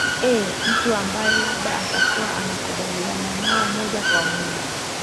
eh mtu ambaye labda atakuwa anakubaliana nao moja kwa moja